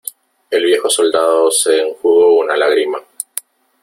el viejo soldado se enjugó una lágrima .